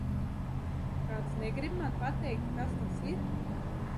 Kāds negrib man pateikt, kas tas ir?